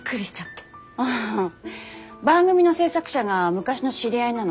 ああ番組の制作者が昔の知り合いなの。